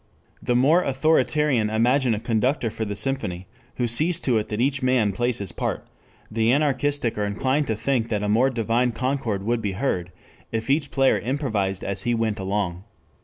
The more authoritarian imagine a conductor for the symphony who sees to it that each man plays his part; the anarchistic are inclined to think that a more divine concord would be heard if each player improvised as he went along.